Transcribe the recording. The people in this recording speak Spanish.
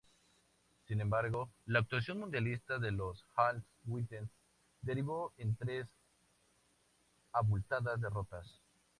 Sin embargo, la actuación mundialista de los "All Whites" derivó en tres abultadas derrotas.